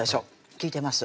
利いてます